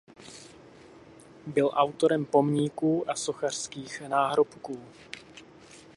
Byl autorem pomníků a sochařských náhrobků.